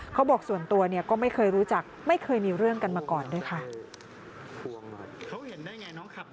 ส่วนตัวเนี่ยก็ไม่เคยรู้จักไม่เคยมีเรื่องกันมาก่อนด้วยค่ะ